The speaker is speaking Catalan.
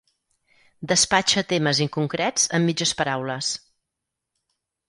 Despatxa temes inconcrets amb mitges paraules.